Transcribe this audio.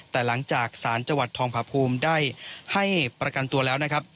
แต่หลังจากสารจังหวัดทองผาภูมิได้ให้ประกันตัวแล้วนะครับ